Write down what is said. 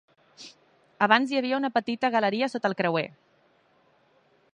Abans hi havia una petita galeria sota el creuer.